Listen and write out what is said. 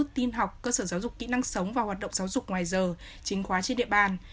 tin học cơ sở giáo dục kỹ năng sống và hoạt động giáo dục ngoài giờ chính khóa trên địa bàn